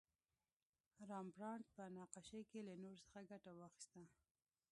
رامبراند په نقاشۍ کې له نور څخه ګټه واخیسته.